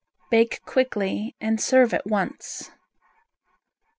Bake quickly and serve at once.